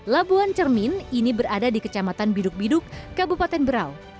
labuan cermin ini berada di kecamatan biduk biduk kabupaten berau